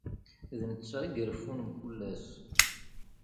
D netta i ireffun mkul ass.